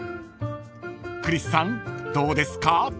［クリスさんどうですか？］